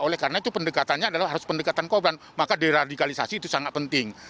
oleh karena itu pendekatannya adalah harus pendekatan korban maka deradikalisasi itu sangat penting